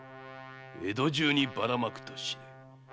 江戸中にばらまくと知れ」